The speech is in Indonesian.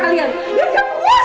kok boleh gue mati sekalian